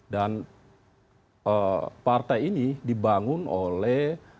dan partai ini dibangun oleh